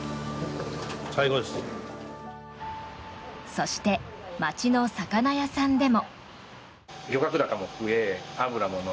そして、街の魚屋さんでも。